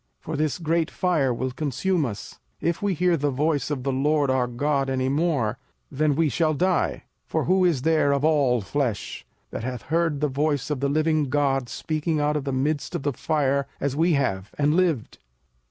for this great fire will consume us: if we hear the voice of the LORD our God any more, then we shall die. 05:005:026 For who is there of all flesh, that hath heard the voice of the living God speaking out of the midst of the fire, as we have, and lived?